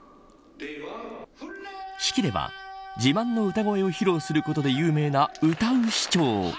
式では自慢の歌声を披露することで有名な、歌う市長。